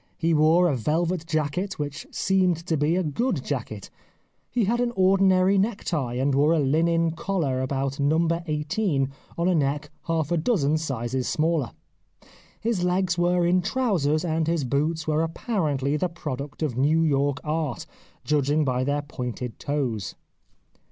He wore a velvet jacket which seemed to be a good jacket. He had an ordinary necktie, and wore a linen collar about number eighteen on a neck half a dozen sizes smaller. His legs were in trousers, and his boots were apparently the product of New York art, judging by their pointed toes.